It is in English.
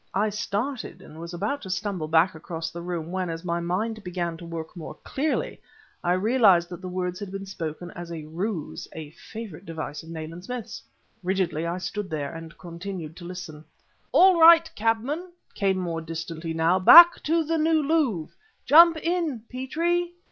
I started and was about to stumble back across the room, when, as my mind began to work more clearly, I realized that the words had been spoken as a ruse a favorite device of Nayland Smith's. Rigidly I stood there, and continued to listen. "All right, cabman!" came more distantly now; "back to the New Louvre jump in, Petrie!"